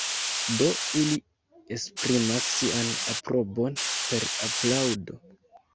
Do ili esprimas sian aprobon per aplaŭdo.